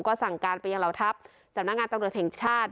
ก็สั่งการไปยังเหล่าทัพสำนักงานตำรวจแห่งชาติ